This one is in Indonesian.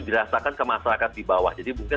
dirasakan ke masyarakat di bawah jadi mungkin